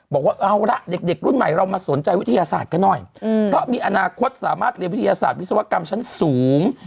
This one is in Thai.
บอกว่าเอาละเด็กรุ่นใหม่เรามาสนใจวิทยาศาสตร์กันหน่อยเพราะมีอนาคตสามารถเรียนวิทยาศาสตร์วิศวกรรมชั้นสูง